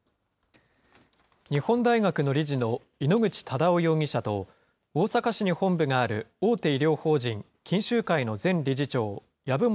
日本大学の理事の井ノ口忠男容疑者と、大阪市に本部がある大手医療法人、錦秀会の前理事長、籔本